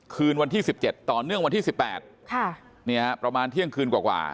คืนวันที่๑๗ต่อเนื่องวันที่๑๘ประมาณเที่ยงคืนกว่า